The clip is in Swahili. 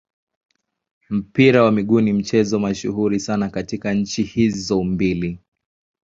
Mpira wa miguu ni mchezo mashuhuri sana katika nchi hizo mbili.